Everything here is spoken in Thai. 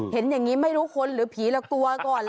เห็นอย่างนี้ไม่รู้คนหรือผีเรากลัวก่อนล่ะ